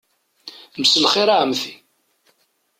Mselxir a Ɛemti.